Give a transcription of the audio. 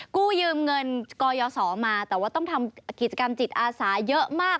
กู้ยืมเงินกยศมาแต่ว่าต้องทำกิจกรรมจิตอาสาเยอะมาก